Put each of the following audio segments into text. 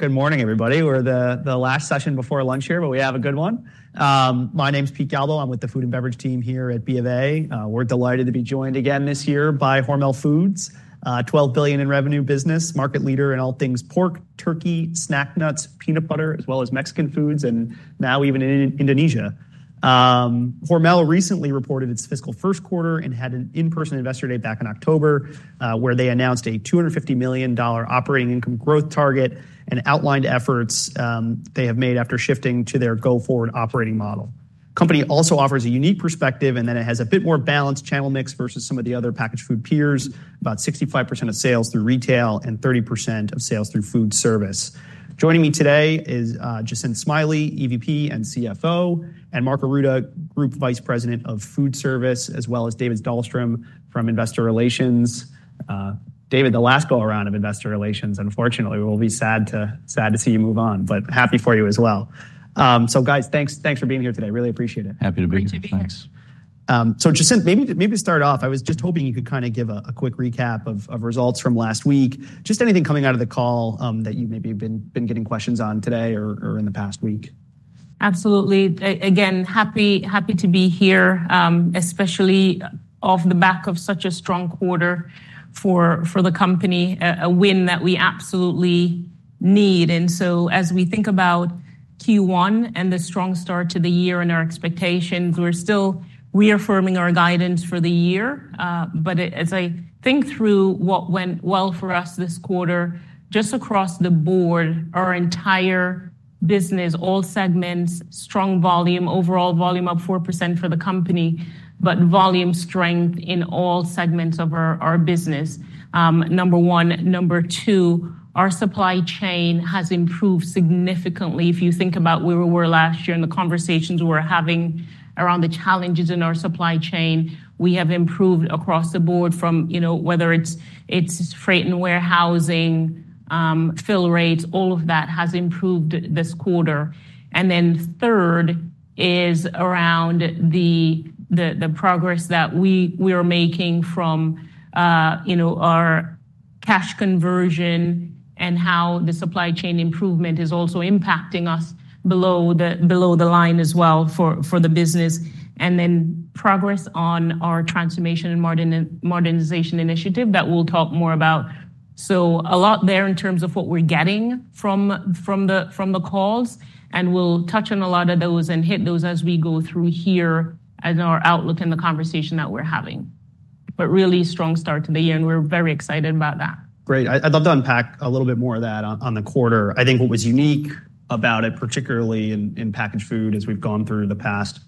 Good morning, everybody. We're the last session before lunch here, but we have a good one. My name's Pete Galbo. I'm with the food and beverage team here at B of A. We're delighted to be joined again this year by Hormel Foods, a $12 billion in revenue business, market leader in all things pork, turkey, snack nuts, peanut butter, as well as Mexican foods, and now even in Indonesia. Hormel recently reported its fiscal Q1 and had an in-person investor day back in October where they announced a $250 million operating income growth target and outlined efforts they have made after shifting to their go-forward operating model. The company also offers a unique perspective, and then it has a bit more balanced channel mix versus some of the other packaged food peers, about 65% of sales through retail and 30% of sales through Foodservice. Joining me today is Jacinth Smiley, EVP and CFO, and Mark Ourada, Group Vice President of Foodservice, as well as David Dahlstrom from Investor Relations. David, the last go-around of Investor Relations. Unfortunately, we'll be sad to see you move on, but happy for you as well. So guys, thanks for being here today. Really appreciate it. Happy to be here. Great to be here. Thanks. So Jacinth, maybe to start off, I was just hoping you could kind of give a quick recap of results from last week. Just anything coming out of the call that you maybe have been getting questions on today or in the past week. Absolutely. Again, happy to be here, especially off the back of such a strong quarter for the company, a win that we absolutely need. So as we think about Q1 and the strong start to the year and our expectations, we're still reaffirming our guidance for the year. But as I think through what went well for us this quarter, just across the board, our entire business, all segments, strong volume, overall volume up 4% for the company, but volume strength in all segments of our business. Number one. Number two, our supply chain has improved significantly. If you think about where we were last year and the conversations we were having around the challenges in our supply chain, we have improved across the board from whether it's freight and warehousing, fill rates, all of that has improved this quarter. Then third is around the progress that we are making from our cash conversion and how the supply chain improvement is also impacting us below the line as well for the business. Then progress on our transformation and modernization initiative that we'll talk more about. So a lot there in terms of what we're getting from the calls, and we'll touch on a lot of those and hit those as we go through here in our outlook and the conversation that we're having. But really strong start to the year, and we're very excited about that. Great. I'd love to unpack a little bit more of that on the quarter. I think what was unique about it, particularly in packaged food as we've gone through the past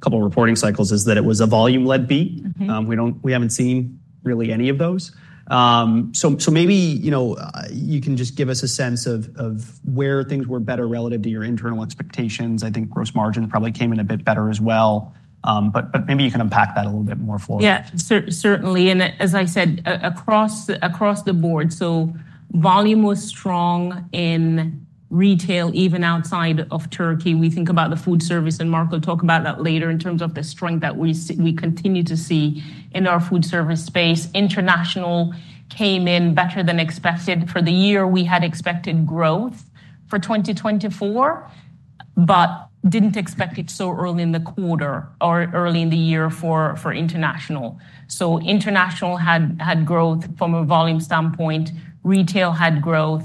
couple of reporting cycles, is that it was a volume-led beat. We haven't seen really any of those. So maybe you can just give us a sense of where things were better relative to your internal expectations. I think gross margins probably came in a bit better as well. But maybe you can unpack that a little bit more for us. Yeah, certainly. As I said, across the board, so volume was strong in retail, even outside of turkey. We think about the Foodservice, and Mark will talk about that later in terms of the strength that we continue to see in our Foodservice space. International came in better than expected. For the year, we had expected growth for 2024 but didn't expect it so early in the quarter or early in the year for international. So international had growth from a volume standpoint. Retail had growth.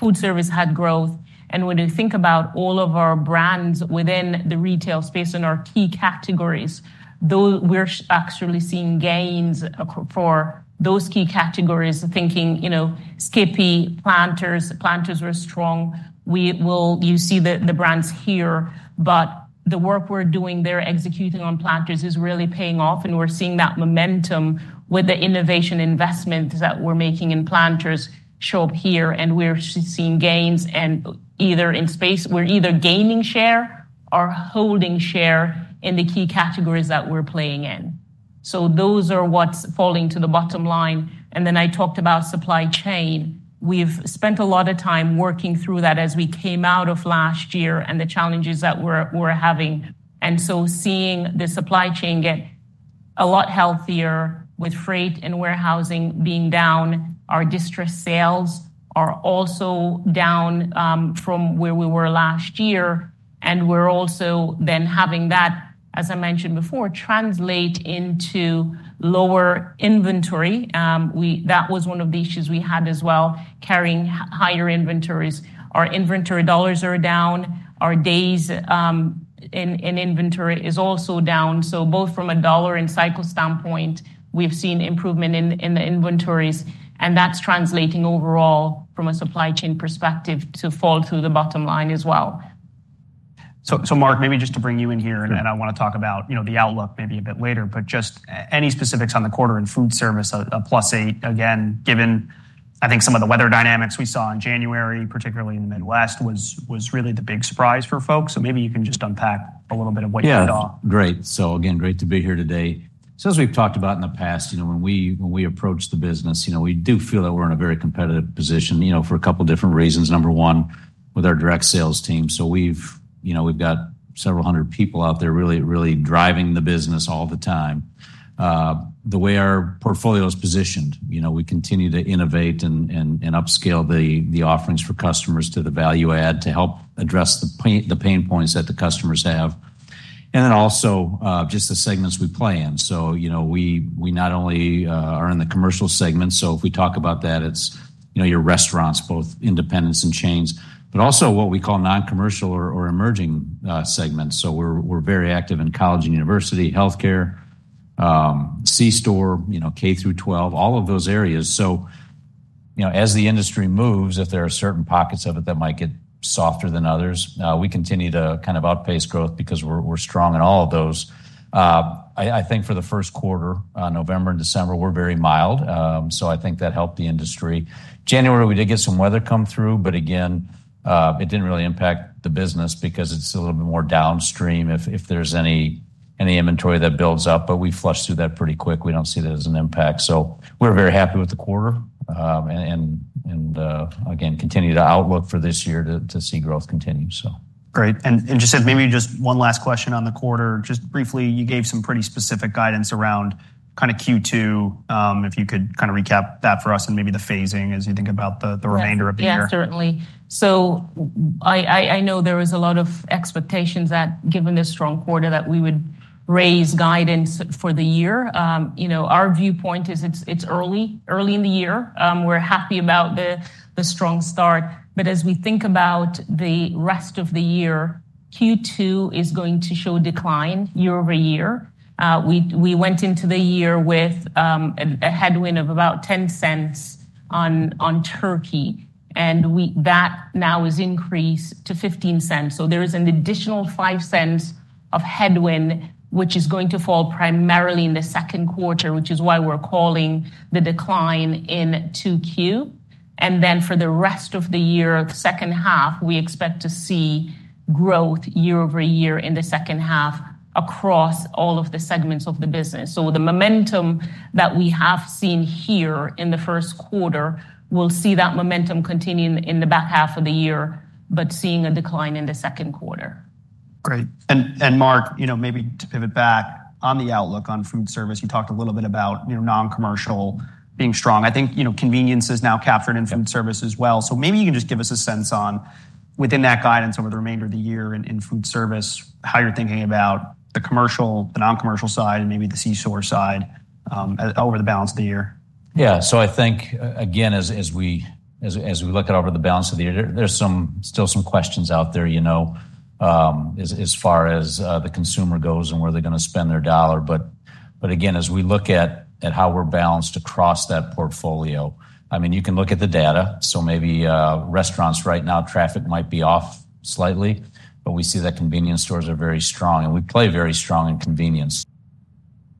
Foodservice had growth. And when you think about all of our brands within the retail space and our key categories, we're actually seeing gains for those key categories, thinking Skippy, Planters. Planters were strong. You see the brands here. But the work we're doing, they're executing on Planters, is really paying off, and we're seeing that momentum with the innovation investments that we're making in Planters show up here, and we're seeing gains. We're either gaining share or holding share in the key categories that we're playing in. So those are what's falling to the bottom line. Then I talked about supply chain. We've spent a lot of time working through that as we came out of last year and the challenges that we're having. So seeing the supply chain get a lot healthier with freight and warehousing being down, our distress sales are also down from where we were last year. We're also then having that, as I mentioned before, translate into lower inventory. That was one of the issues we had as well, carrying higher inventories. Our inventory dollars are down. Our days in inventory is also down. So both from a dollar and cycle standpoint, we've seen improvement in the inventories, and that's translating overall from a supply chain perspective to fall through the bottom line as well. So Mark, maybe just to bring you in here, and I want to talk about the outlook maybe a bit later, but just any specifics on the quarter in Foodservice, +8, again, given I think some of the weather dynamics we saw in January, particularly in the Midwest, was really the big surprise for folks. So maybe you can just unpack a little bit of what you saw. Yeah, great. So again, great to be here today. So as we've talked about in the past, when we approach the business, we do feel that we're in a very competitive position for a couple of different reasons. Number one, with our direct sales team. So we've got several hundred people out there really driving the business all the time. The way our portfolio is positioned, we continue to innovate and upscale the offerings for customers to the value add to help address the pain points that the customers have. And then also just the segments we play in. So we not only are in the commercial segment, so if we talk about that, it's your restaurants, both independents and chains, but also what we call non-commercial or emerging segments. So we're very active in college and university, healthcare, C-store, K-12, all of those areas. So as the industry moves, if there are certain pockets of it that might get softer than others, we continue to kind of outpace growth because we're strong in all of those. I think for the Q1, November and December, we're very mild. So I think that helped the industry. January, we did get some weather come through, but again, it didn't really impact the business because it's a little bit more downstream if there's any inventory that builds up. But we flushed through that pretty quick. We don't see that as an impact. So we're very happy with the quarter and again, continue to outlook for this year to see growth continue, so. Great. And Jacinth, maybe just one last question on the quarter. Just briefly, you gave some pretty specific guidance around kind of Q2. If you could kind of recap that for us and maybe the phasing as you think about the remainder of the year. Yeah, certainly. So I know there was a lot of expectations that given this strong quarter that we would raise guidance for the year. Our viewpoint is it's early in the year. We're happy about the strong start. But as we think about the rest of the year, Q2 is going to show decline year-over-year. We went into the year with a headwind of about $0.10 on turkey, and that now has increased to $0.15. So there is an additional $0.05 of headwind, which is going to fall primarily in the Q2, which is why we're calling the decline in 2Q. And then for the rest of the year, second half, we expect to see growth year-over-year in the second half across all of the segments of the business. The momentum that we have seen here in the Q1, we'll see that momentum continue in the back half of the year, but seeing a decline in the Q2. Great. And Mark, maybe to pivot back on the outlook on Foodservice, you talked a little bit about non-commercial being strong. I think convenience is now captured in Foodservice as well. So maybe you can just give us a sense on within that guidance over the remainder of the year in Foodservice, how you're thinking about the commercial, the non-commercial side, and maybe the C-store side over the balance of the year. Yeah. So I think, again, as we look at over the balance of the year, there's still some questions out there as far as the consumer goes and where they're going to spend their dollar. But again, as we look at how we're balanced across that portfolio, I mean, you can look at the data. So maybe restaurants right now, traffic might be off slightly, but we see that convenience stores are very strong, and we play very strong in convenience.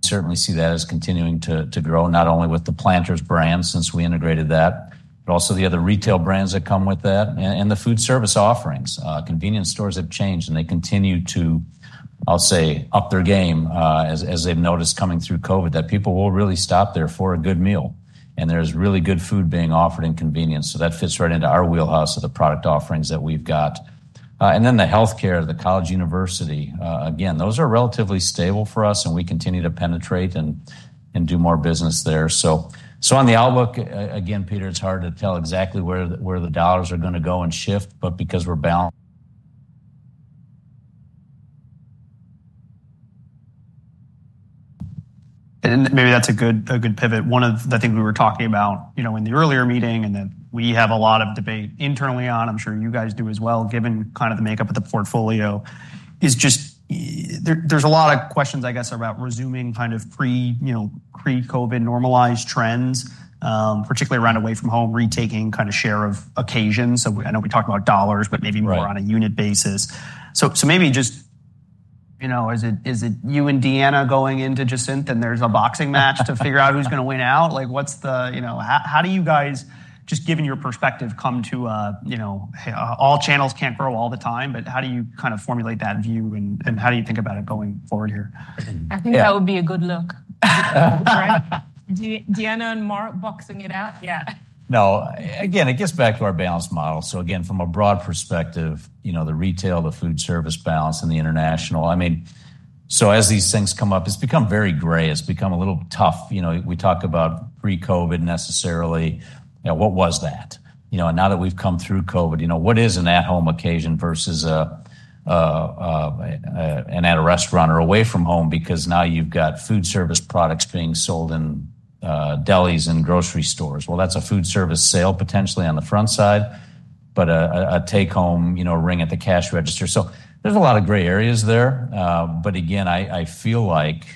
Certainly see that as continuing to grow, not only with the Planters brand since we integrated that, but also the other retail brands that come with that and the Foodservice offerings. Convenience stores have changed, and they continue to, I'll say, up their game as they've noticed coming through COVID, that people will really stop there for a good meal, and there's really good food being offered in convenience. So that fits right into our wheelhouse of the product offerings that we've got. And then the healthcare, the college university, again, those are relatively stable for us, and we continue to penetrate and do more business there. So on the outlook, again, Peter, it's hard to tell exactly where the dollars are going to go and shift, but because we're balanced. Maybe that's a good pivot. One of the things we were talking about in the earlier meeting and that we have a lot of debate internally on, I'm sure you guys do as well, given kind of the makeup of the portfolio, is just there's a lot of questions, I guess, about resuming kind of pre-COVID normalized trends, particularly around away from home, retaking kind of share of occasions. So I know we talked about dollars, but maybe more on a unit basis. So maybe just is it you and Deanna going into Jacinth, and there's a boxing match to figure out who's going to win out? How do you guys, just given your perspective, come to a all channels can't grow all the time, but how do you kind of formulate that view, and how do you think about it going forward here? I think that would be a good look. Deanna and Mark boxing it out? Yeah. No. Again, it gets back to our balance model. So again, from a broad perspective, the retail, the Foodservice balance, and the international, I mean, so as these things come up, it's become very gray. It's become a little tough. We talk about pre-COVID necessarily. What was that? And now that we've come through COVID, what is an at-home occasion versus an at a restaurant or away from home because now you've got Foodservice products being sold in delis and grocery stores? Well, that's a Foodservice sale potentially on the front side, but a take-home ring at the cash register. So there's a lot of gray areas there. But again, I feel like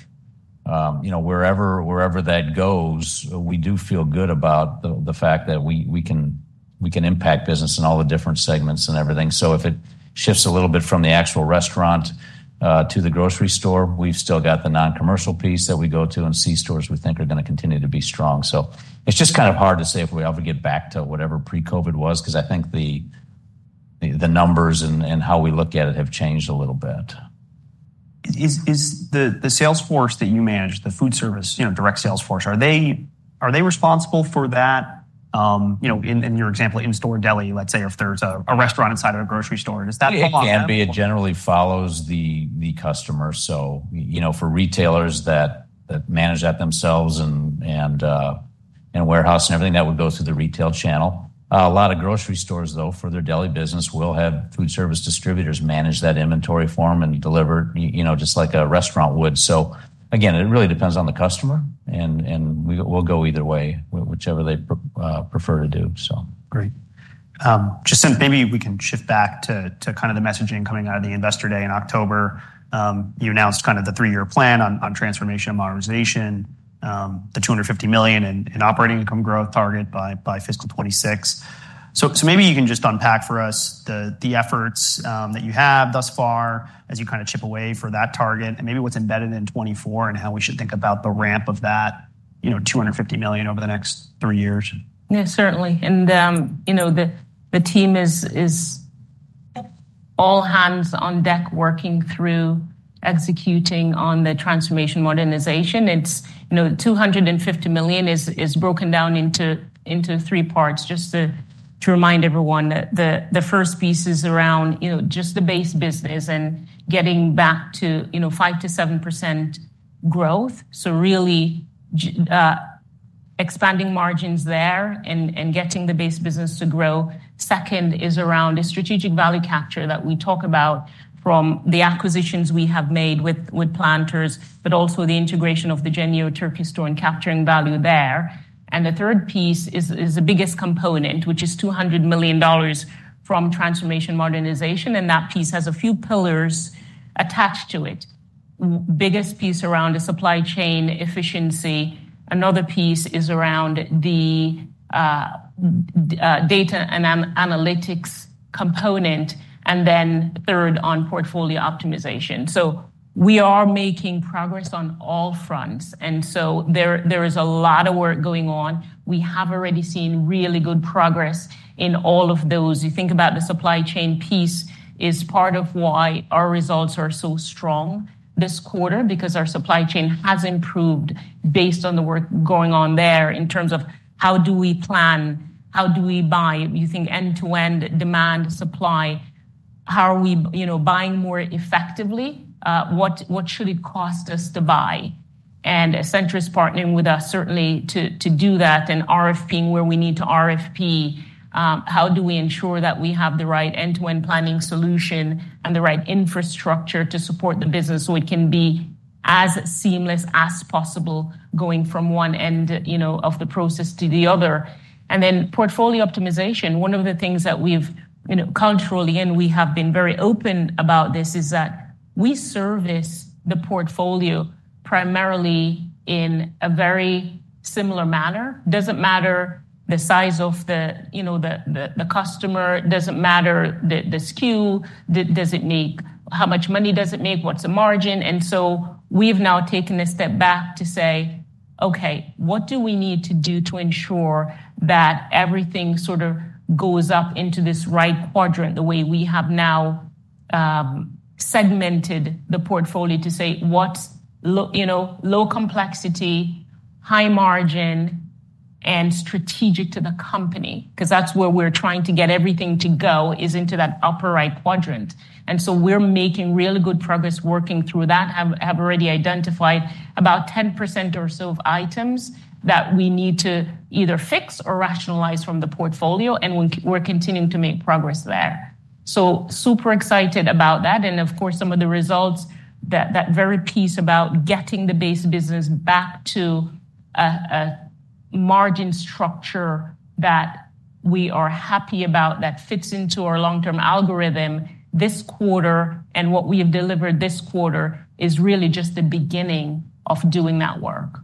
wherever that goes, we do feel good about the fact that we can impact business in all the different segments and everything. So if it shifts a little bit from the actual restaurant to the grocery store, we've still got the non-commercial piece that we go to, and C-stores we think are going to continue to be strong. So it's just kind of hard to say if we ever get back to whatever pre-COVID was because I think the numbers and how we look at it have changed a little bit. Is the sales force that you manage, the Foodservice, direct sales force, are they responsible for that in your example, in-store deli, let's say, or if there's a restaurant inside of a grocery store, does that follow them? Yeah, it can be. It generally follows the customer. So for retailers that manage that themselves and warehouse and everything, that would go through the retail channel. A lot of grocery stores, though, for their deli business will have Foodservice distributors manage that inventory for them and deliver just like a restaurant would. So again, it really depends on the customer, and we'll go either way, whichever they prefer to do, so. Great. Jacinth, maybe we can shift back to kind of the messaging coming out of the Investor Day in October. You announced kind of the three-year plan on transformation and modernization, the $250 million in operating income growth target by fiscal 2026. So maybe you can just unpack for us the efforts that you have thus far as you kind of chip away for that target and maybe what's embedded in 2024 and how we should think about the ramp of that $250 million over the next three years. Yeah, certainly. And the team is all hands on deck working through executing on the transformation modernization. The $250 million is broken down into three parts. Just to remind everyone, the first piece is around just the base business and getting back to 5%-7% growth. So really expanding margins there and getting the base business to grow. Second is around a strategic value capture that we talk about from the acquisitions we have made with Planters, but also the integration of the Jennie-O Turkey Store and capturing value there. And the third piece is the biggest component, which is $200 million from transformation modernization, and that piece has a few pillars attached to it. Biggest piece around a supply chain efficiency. Another piece is around the data and analytics component, and then third on portfolio optimization. So we are making progress on all fronts, and so there is a lot of work going on. We have already seen really good progress in all of those. You think about the supply chain piece is part of why our results are so strong this quarter because our supply chain has improved based on the work going on there in terms of how do we plan, how do we buy, you think end-to-end demand supply, how are we buying more effectively, what should it cost us to buy. And Centris partnering with us, certainly, to do that and RFPing where we need to RFP, how do we ensure that we have the right end-to-end planning solution and the right infrastructure to support the business so it can be as seamless as possible going from one end of the process to the other. And then portfolio optimization. One of the things that we've culturally, and we have been very open about this, is that we service the portfolio primarily in a very similar manner. Doesn't matter the size of the customer. Doesn't matter the SKU. How much money does it make? What's the margin? And so we've now taken a step back to say, "Okay, what do we need to do to ensure that everything sort of goes up into this right quadrant the way we have now segmented the portfolio to say what's low complexity, high margin, and strategic to the company?" Because that's where we're trying to get everything to go, is into that upper right quadrant. And so we're making really good progress working through that. Have already identified about 10% or so of items that we need to either fix or rationalize from the portfolio, and we're continuing to make progress there. Super excited about that. Of course, some of the results, that very piece about getting the base business back to a margin structure that we are happy about, that fits into our long-term algorithm this quarter, and what we have delivered this quarter is really just the beginning of doing that work.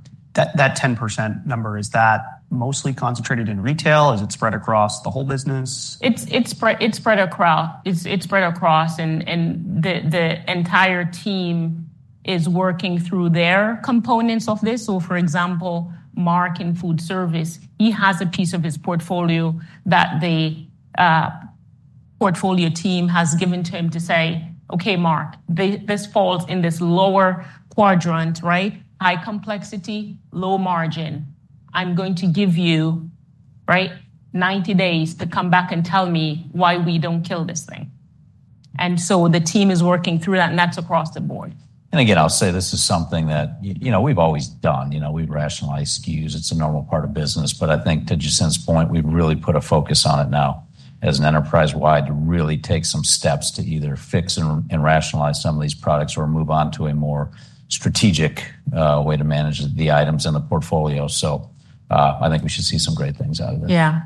That 10% number, is that mostly concentrated in retail? Is it spread across the whole business? It's spread across. It's spread across, and the entire team is working through their components of this. So for example, Mark in Foodservice, he has a piece of his portfolio that the portfolio team has given to him to say, "Okay, Mark, this falls in this lower quadrant, right? High complexity, low margin. I'm going to give you 90 days to come back and tell me why we don't kill this thing." And so the team is working through that, and that's across the board. Again, I'll say this is something that we've always done. We've rationalized SKUs. It's a normal part of business. But I think to Jacinth's point, we've really put a focus on it now as an enterprise-wide to really take some steps to either fix and rationalize some of these products or move on to a more strategic way to manage the items in the portfolio. So I think we should see some great things out of this. Yeah.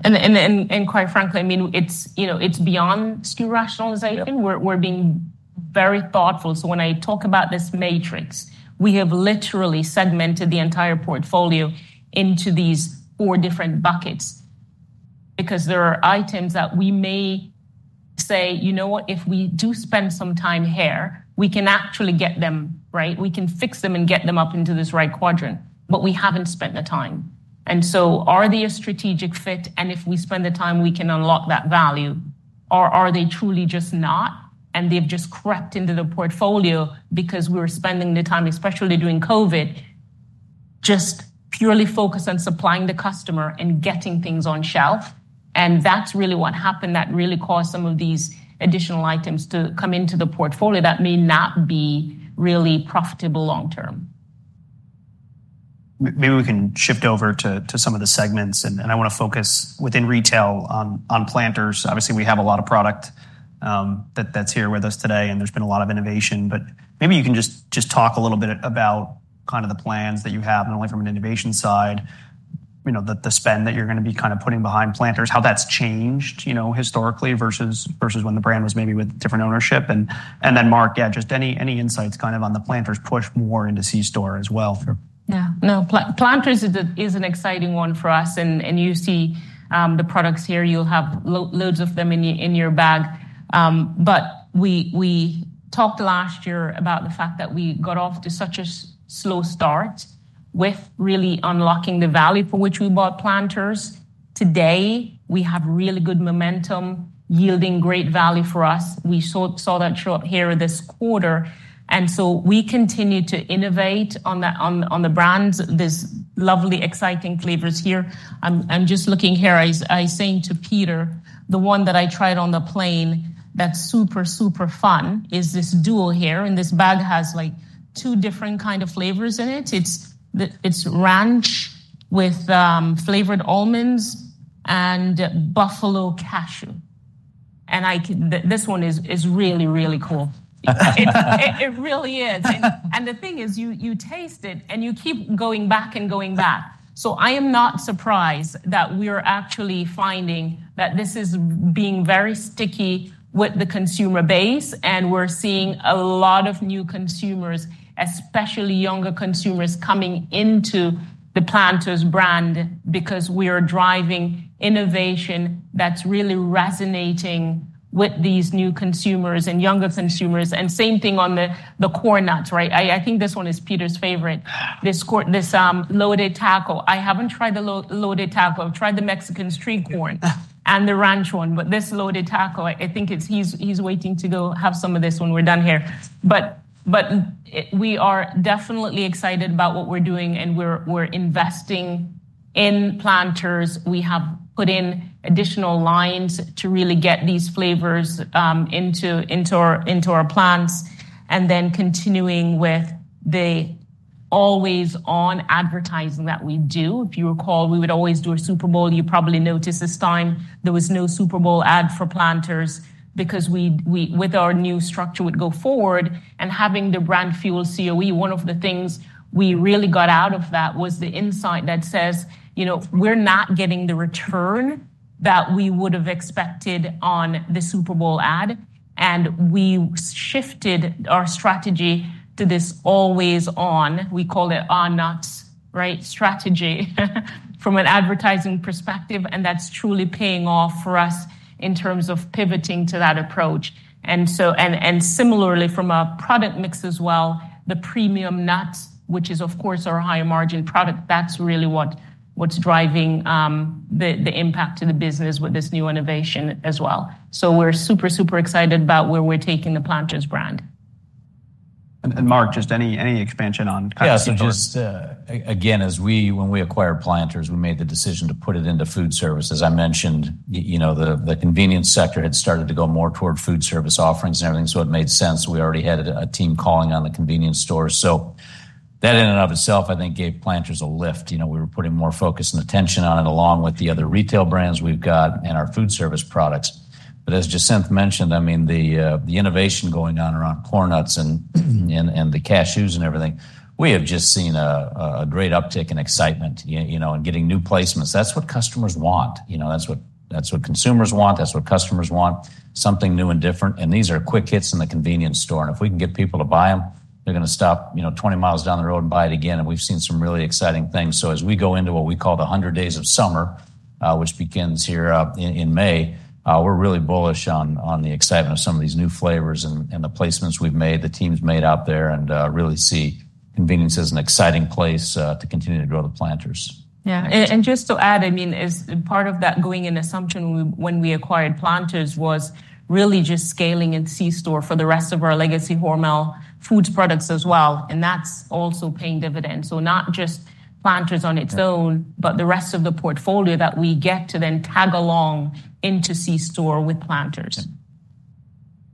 Quite frankly, I mean, it's beyond SKU Rationalization. We're being very thoughtful. So when I talk about this matrix, we have literally segmented the entire portfolio into these four different buckets because there are items that we may say, "You know what? If we do spend some time here, we can actually get them, right? We can fix them and get them up into this right quadrant, but we haven't spent the time." And so are they a strategic fit? And if we spend the time, we can unlock that value. Or are they truly just not, and they've just crept into the portfolio because we were spending the time, especially during COVID, just purely focused on supplying the customer and getting things on shelf? That's really what happened that really caused some of these additional items to come into the portfolio that may not be really profitable long-term. Maybe we can shift over to some of the segments, and I want to focus within retail on Planters. Obviously, we have a lot of product that's here with us today, and there's been a lot of innovation. But maybe you can just talk a little bit about kind of the plans that you have, not only from an innovation side, the spend that you're going to be kind of putting behind Planters, how that's changed historically versus when the brand was maybe with different ownership. And then, Mark, yeah, just any insights kind of on the Planters push more into C-store as well. Yeah. No, Planters is an exciting one for us, and you see the products here. You'll have loads of them in your bag. But we talked last year about the fact that we got off to such a slow start with really unlocking the value for which we bought Planters. Today, we have really good momentum, yielding great value for us. We saw that show up here this quarter. And so we continue to innovate on the brands. There's lovely, exciting flavors here. I'm just looking here. I was saying to Peter, the one that I tried on the plane that's super, super fun is this duo here. And this bag has two different kind of flavors in it. It's Ranch with flavored almonds and Buffalo cashew. And this one is really, really cool. It really is. The thing is, you taste it, and you keep going back and going back. So I am not surprised that we are actually finding that this is being very sticky with the consumer base, and we're seeing a lot of new consumers, especially younger consumers, coming into the Planters brand because we are driving innovation that's really resonating with these new consumers and younger consumers. And same thing on the Corn Nuts, right? I think this one is Peter's favorite, this Loaded Taco. I haven't tried the Loaded Taco. I've tried the Mexican Street Corn and the Ranch one, but this Loaded Taco, I think he's waiting to go have some of this when we're done here. But we are definitely excited about what we're doing, and we're investing in Planters. We have put in additional lines to really get these flavors into our plants and then continuing with the always-on advertising that we do. If you recall, we would always do a Super Bowl. You probably noticed this time. There was no Super Bowl ad for Planters because with our new structure, we'd go forward. And having the Brand Fuel COE, one of the things we really got out of that was the insight that says, "We're not getting the return that we would have expected on the Super Bowl ad." And we shifted our strategy to this always-on. We call it our nuts, right, strategy from an advertising perspective, and that's truly paying off for us in terms of pivoting to that approach. Similarly, from a product mix as well, the premium nuts, which is, of course, our higher margin product, that's really what's driving the impact to the business with this new innovation as well. We're super, super excited about where we're taking the Planters brand. Mark, just any expansion on kind of the deal? Yeah. So just again, when we acquired Planters, we made the decision to put it into Foodservices. I mentioned the convenience sector had started to go more toward Foodservice offerings and everything, so it made sense. We already had a team calling on the convenience stores. So that in and of itself, I think, gave Planters a lift. We were putting more focus and attention on it along with the other retail brands we've got and our Foodservice products. But as Jacinth mentioned, I mean, the innovation going on around Corn Nuts and the cashews and everything, we have just seen a great uptick and excitement and getting new placements. That's what customers want. That's what consumers want. That's what customers want, something new and different. And these are quick hits in the convenience store. If we can get people to buy them, they're going to stop 20 miles down the road and buy it again. We've seen some really exciting things. So as we go into what we call the 100 Days of Summer, which begins here in May, we're really bullish on the excitement of some of these new flavors and the placements we've made, the teams made out there, and really see convenience as an exciting place to continue to grow the Planters. Yeah. And just to add, I mean, part of that going in assumption when we acquired Planters was really just scaling in C-store for the rest of our legacy Hormel Foods products as well. And that's also paying dividends. So not just Planters on its own, but the rest of the portfolio that we get to then tag along into C-store with Planters.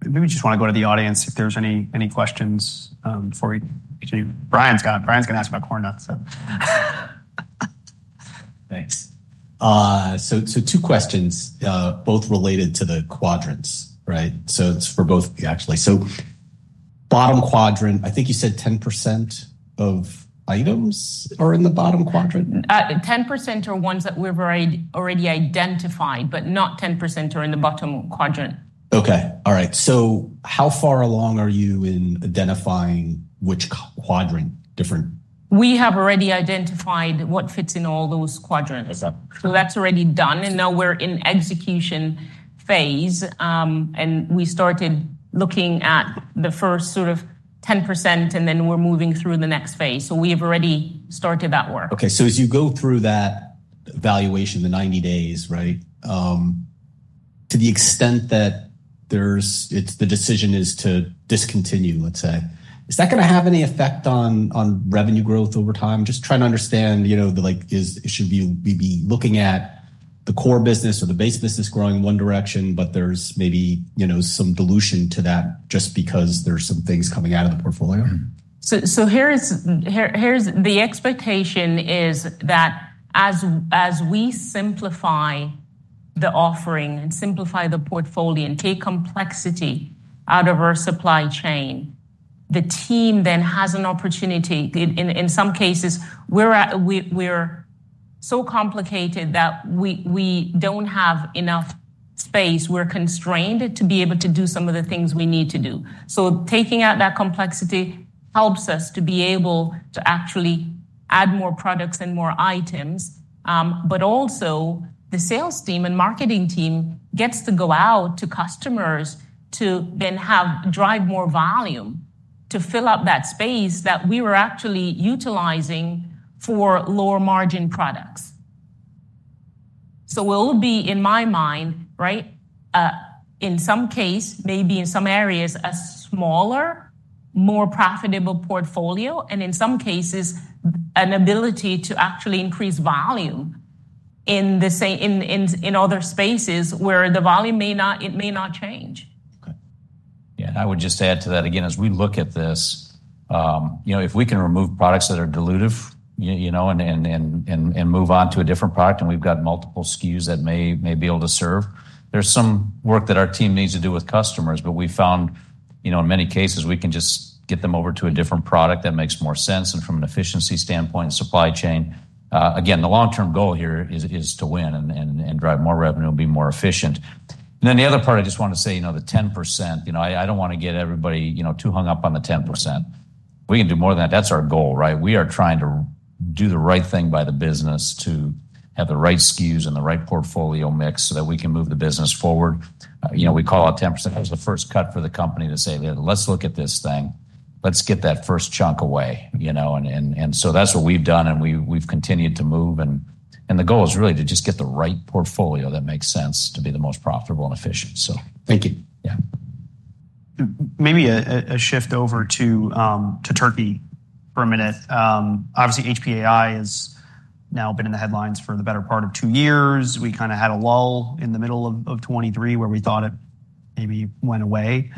Maybe we just want to go to the audience if there's any questions for each of you. Bryan's got it. Bryan's going to ask about Corn Nuts, so. Thanks. So two questions, both related to the quadrants, right? So it's for both, actually. So bottom quadrant, I think you said 10% of items are in the bottom quadrant? 10% are ones that we've already identified, but not 10% are in the bottom quadrant. Okay. All right. So how far along are you in identifying which quadrant different? We have already identified what fits in all those quadrants. That's already done. Now we're in execution phase, and we started looking at the first sort of 10%, and then we're moving through the next phase. We have already started that work. Okay. So as you go through that evaluation, the 90-days, right, to the extent that the decision is to discontinue, let's say, is that going to have any effect on revenue growth over time? Just trying to understand, should we be looking at the core business or the base business growing in one direction, but there's maybe some dilution to that just because there's some things coming out of the portfolio? So here's the expectation is that as we simplify the offering and simplify the portfolio and take complexity out of our supply chain, the team then has an opportunity. In some cases, we're so complicated that we don't have enough space. We're constrained to be able to do some of the things we need to do. So taking out that complexity helps us to be able to actually add more products and more items. But also, the sales team and marketing team gets to go out to customers to then drive more volume to fill up that space that we were actually utilizing for lower margin products. So it'll be, in my mind, right, in some case, maybe in some areas, a smaller, more profitable portfolio, and in some cases, an ability to actually increase volume in other spaces where the volume may not change. Okay. Yeah. And I would just add to that again, as we look at this, if we can remove products that are dilutive and move on to a different product, and we've got multiple SKUs that may be able to serve, there's some work that our team needs to do with customers. But we found, in many cases, we can just get them over to a different product that makes more sense and from an efficiency standpoint and supply chain. Again, the long-term goal here is to win and drive more revenue and be more efficient. And then the other part, I just want to say, the 10%, I don't want to get everybody too hung up on the 10%. We can do more than that. That's our goal, right? We are trying to do the right thing by the business to have the right SKUs and the right portfolio mix so that we can move the business forward. We call out 10%. That was the first cut for the company to say, "Let's look at this thing. Let's get that first chunk away." And so that's what we've done, and we've continued to move. And the goal is really to just get the right portfolio that makes sense to be the most profitable and efficient, so. Thank you. Yeah. Maybe a shift over to Turkey for a minute. Obviously, HPAI has now been in the headlines for the better part of two years. We kind of had a lull in the middle of 2023 where we thought it maybe went away.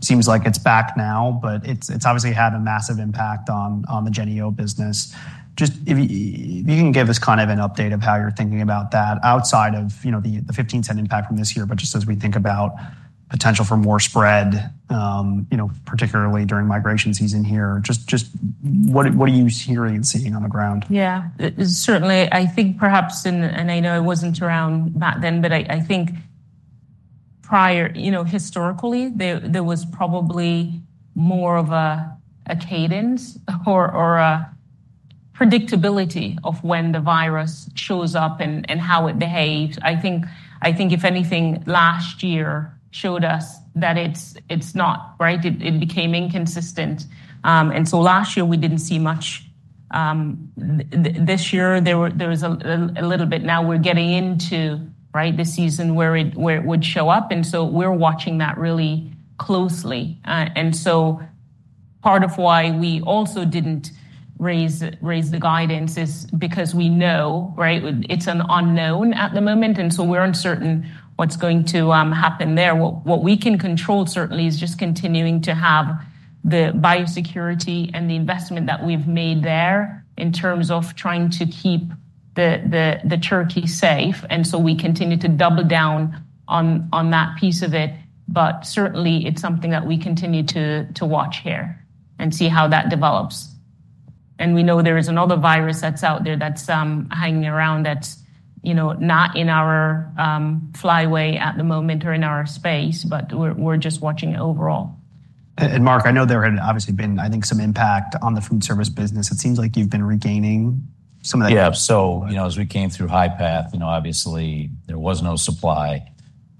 Seems like it's back now, but it's obviously had a massive impact on the Jennie-O business. Just if you can give us kind of an update of how you're thinking about that outside of the $0.15 impact from this year, but just as we think about potential for more spread, particularly during migration season here, just what are you hearing and seeing on the ground? Yeah. Certainly, I think perhaps, and I know it wasn't around back then, but I think historically, there was probably more of a cadence or a predictability of when the virus shows up and how it behaves. I think, if anything, last year showed us that it's not, right? It became inconsistent. And so last year, we didn't see much. This year, there was a little bit. Now we're getting into the season where it would show up. And so we're watching that really closely. And so part of why we also didn't raise the guidance is because we know, right? It's an unknown at the moment, and so we're uncertain what's going to happen there. What we can control, certainly, is just continuing to have the biosecurity and the investment that we've made there in terms of trying to keep the turkey safe. And so we continue to double down on that piece of it. But certainly, it's something that we continue to watch here and see how that develops. And we know there is another virus that's out there that's hanging around that's not in our flyway at the moment or in our space, but we're just watching it overall. And Mark, I know there had obviously been, I think, some impact on the foodservice business. It seems like you've been regaining some of that. Yeah. So as we came through HPAI, obviously, there was no supply,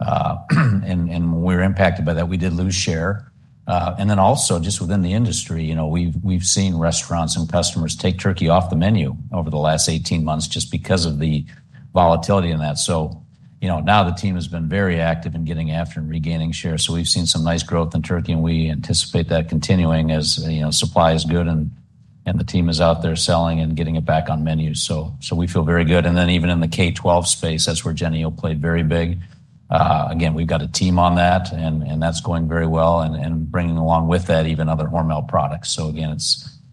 and we were impacted by that. We did lose share. And then also, just within the industry, we've seen restaurants and customers take turkey off the menu over the last 18 months just because of the volatility in that. So now the team has been very active in getting after and regaining share. So we've seen some nice growth in turkey, and we anticipate that continuing as supply is good and the team is out there selling and getting it back on menus. So we feel very good. And then even in the K-12 space, that's where Jennie-O played very big. Again, we've got a team on that, and that's going very well and bringing along with that even other Hormel products. So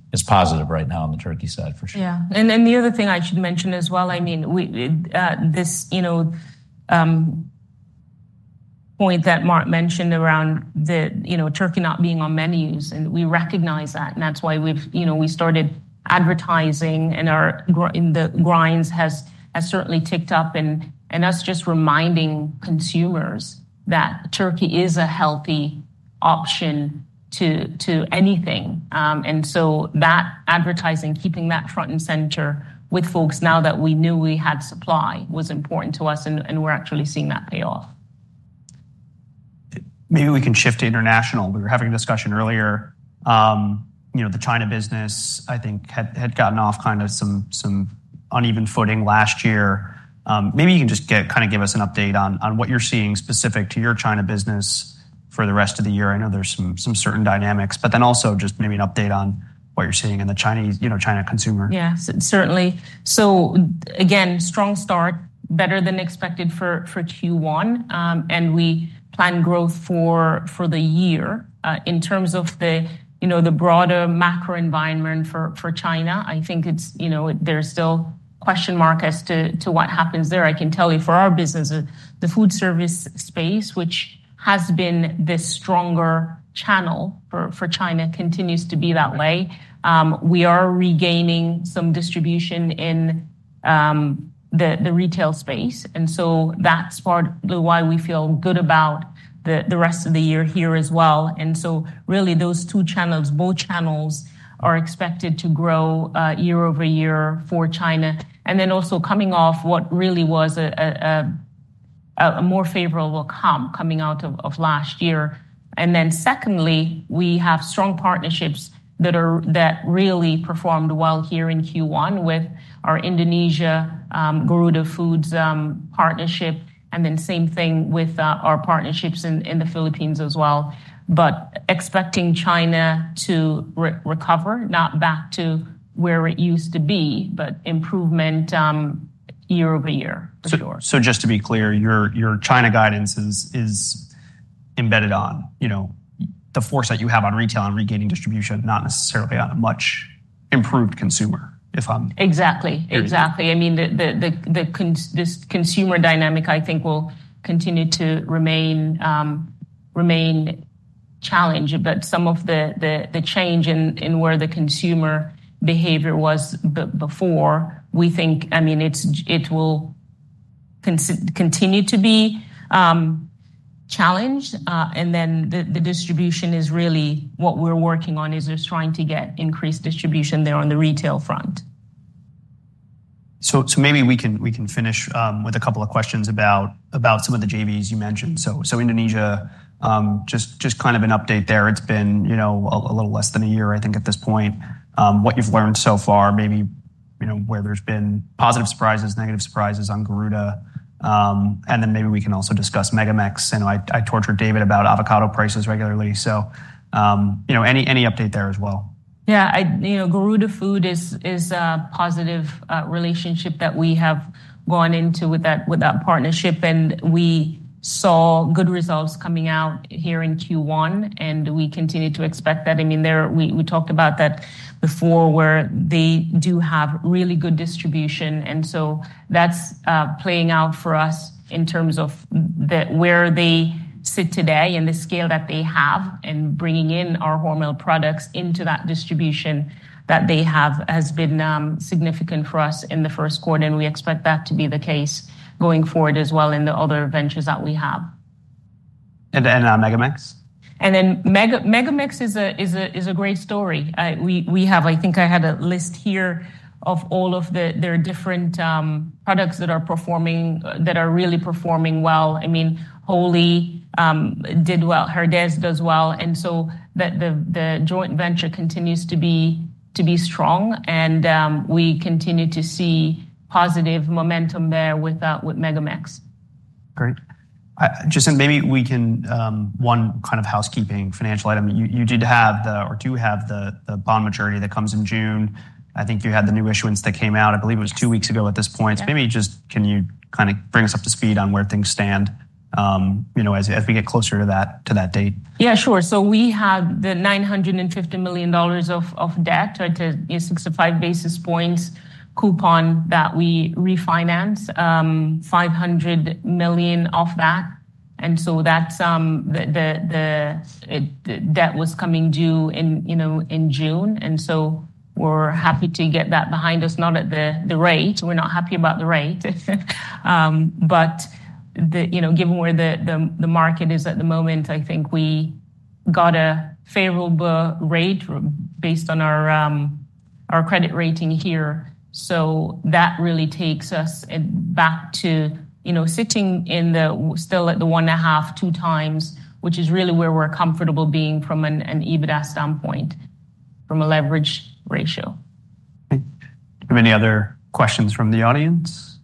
again, it's positive right now on the turkey side for sure. Yeah. And the other thing I should mention as well, I mean, this point that Mark mentioned around turkey not being on menus, and we recognize that. And that's why we started advertising, and the grinds has certainly ticked up in us just reminding consumers that turkey is a healthy option to anything. And so that advertising, keeping that front and center with folks now that we knew we had supply, was important to us, and we're actually seeing that pay off. Maybe we can shift to international. We were having a discussion earlier. The China business, I think, had gotten off kind of some uneven footing last year. Maybe you can just kind of give us an update on what you're seeing specific to your China business for the rest of the year. I know there's some certain dynamics, but then also just maybe an update on what you're seeing in the China consumer. Yeah. Certainly. So again, strong start, better than expected for Q1, and we plan growth for the year in terms of the broader macro environment for China. I think there's still a question mark as to what happens there. I can tell you for our business, the foodservice space, which has been this stronger channel for China, continues to be that way. We are regaining some distribution in the retail space, and so that's partly why we feel good about the rest of the year here as well. And so really, those two channels, both channels, are expected to grow year-over-year for China. And then also coming off what really was a more favorable calm coming out of last year. And then secondly, we have strong partnerships that really performed well here in Q1 with our Indonesia-Garudafood's partnership, and then same thing with our partnerships in the Philippines as well, but expecting China to recover, not back to where it used to be, but improvement year-over-year, for sure. So just to be clear, your China guidance is embedded in the forecast that you have on retail and regaining distribution, not necessarily on a much improved consumer, if I'm. Exactly. Exactly. I mean, this consumer dynamic, I think, will continue to remain challenged. But some of the change in where the consumer behavior was before, we think, I mean, it will continue to be challenged. And then the distribution is really what we're working on is just trying to get increased distribution there on the retail front. So maybe we can finish with a couple of questions about some of the JVs you mentioned. So Indonesia, just kind of an update there. It's been a little less than a year, I think, at this point. What you've learned so far, maybe where there's been positive surprises, negative surprises on Garuda. And then maybe we can also discuss MegaMex. I torture David about avocado prices regularly, so any update there as well. Yeah. Garudafood is a positive relationship that we have gone into with that partnership, and we saw good results coming out here in Q1, and we continue to expect that. I mean, we talked about that before where they do have really good distribution, and so that's playing out for us in terms of where they sit today and the scale that they have. And bringing in our Hormel products into that distribution that they have has been significant for us in the Q1, and we expect that to be the case going forward as well in the other ventures that we have. Then MegaMex? And then MegaMex is a great story. I think I had a list here of all of their different products that are really performing well. I mean, Wholly did well. Herdez does well. And so the joint venture continues to be strong, and we continue to see positive momentum there with MegaMex. Great. Jacinth, maybe we can one kind of housekeeping financial item. You did have the or do have the bond maturity that comes in June. I think you had the new issuance that came out. I believe it was two weeks ago at this point. Maybe just can you kind of bring us up to speed on where things stand as we get closer to that date? Yeah. Sure. So we have the $950 million of debt, a 65 basis points coupon that we refinance, $500 million off that. And so the debt was coming due in June, and so we're happy to get that behind us, not at the rate. We're not happy about the rate. But given where the market is at the moment, I think we got a favorable rate based on our credit rating here. So that really takes us back to sitting still at the 1.5-2 times, which is really where we're comfortable being from an EBITDA standpoint, from a leverage ratio. Okay. Do you have any other questions from the audience?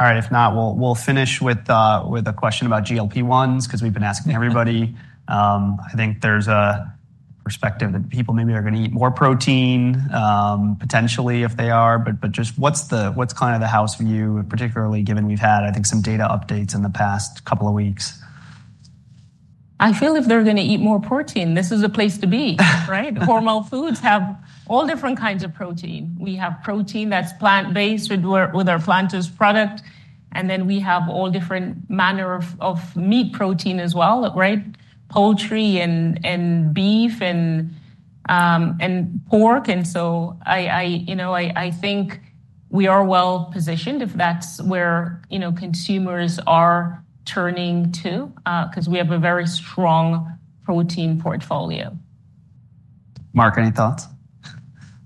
All right. If not, we'll finish with a question about GLP-1s because we've been asking everybody. I think there's a perspective that people maybe are going to eat more protein, potentially if they are, but just what's kind of the house view, particularly given we've had, I think, some data updates in the past couple of weeks? I feel if they're going to eat more protein, this is a place to be, right? Hormel Foods have all different kinds of protein. We have protein that's plant-based with our Applegate product, and then we have all different manner of meat protein as well, right? Poultry and beef and pork. And so I think we are well-positioned if that's where consumers are turning to because we have a very strong protein portfolio. Mark, any thoughts?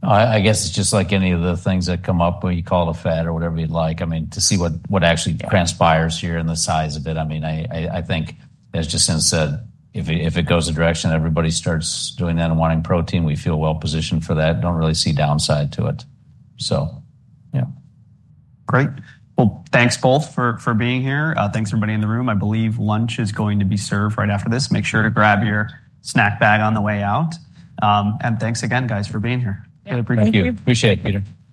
I guess it's just like any of the things that come up when you call it a fad or whatever you'd like. I mean, to see what actually transpires here and the size of it. I mean, I think, as Jacinth said, if it goes the direction everybody starts doing that and wanting protein, we feel well-positioned for that. Don't really see downside to it, so yeah. Great. Well, thanks both for being here. Thanks, everybody in the room. I believe lunch is going to be served right after this. Make sure to grab your snack bag on the way out. Thanks again, guys, for being here. Really appreciate it. Thank you. Appreciate it, Peter.